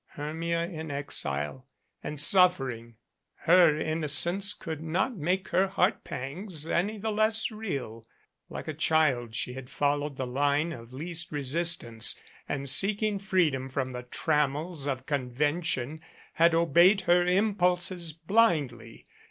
Hermia in exile and suffering ! Her innocence could not make her heart pangs any the less real. Like a child she had followed the line of least resistance, and seeking freedom from the trammels of convention had obeyed her impulses blindly.